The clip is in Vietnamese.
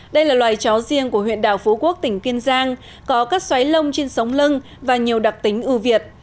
đây là loài chó riêng của huyện đảo phú quốc tỉnh kiên giang có các xoáy lông trên sóng lưng và nhiều đặc tính ưu việt